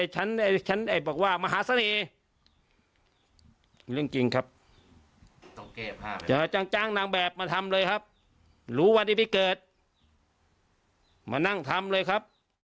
ฆ่าว่ามหาศนีเป็นจิตจังนางแบบมาทำเลยครับ